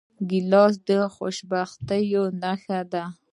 ګیلاس د خوشبختۍ نښه ده.